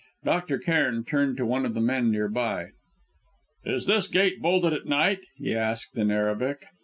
Dr. Cairn turned to one of the men near by. "Is this gate bolted at night?" he asked, in Arabic.